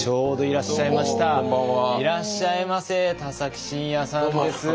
いらっしゃいませ田崎真也さんです。